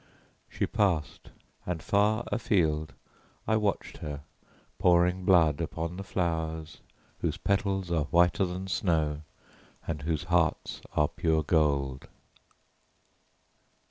She passed, and far afield I watched her pouring blood upon the flowers whose petals are whiter than snow and whose hearts are pure gold.